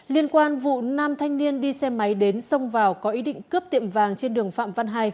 liên quan vụ nam thanh niên đi xe máy đến xông vào có ý định cướp tiệm vàng trên đường phạm văn hai